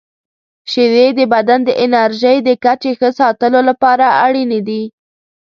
• شیدې د بدن د انرژۍ د کچې ښه ساتلو لپاره اړینې دي.